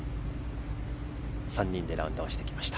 ３人でラウンドしてきました。